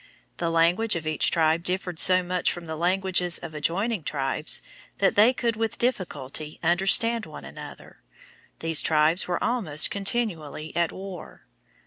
The language of each tribe differed so much from the languages of adjoining tribes that they could with difficulty understand one another. These tribes were almost continually at war.